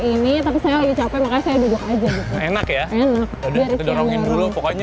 ini tapi saya lebih capek makanya saya duduk aja enak ya enak biar kita dorongin dulu pokoknya